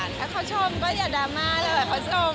ถ้าเขาชมก็อย่าดราม่าเลยแบบเขาชม